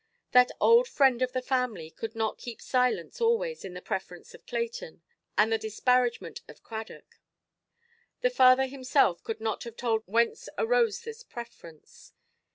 That old friend of the family could not keep silence always at the preference of Clayton, and the disparagement of Cradock. The father himself could not have told whence arose this preference.